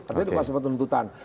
artinya diperlukan penuntutan